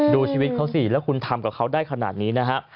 ดูชีวิตเขาสิแล้วคุณทำกับเขาได้ขนาดนี้นะฮะ